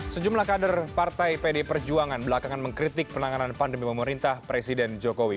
sejumlah kader partai pd perjuangan belakangan mengkritik penanganan pandemi pemerintah presiden jokowi